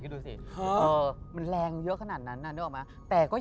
เขาพอลองหลมเฮ้ย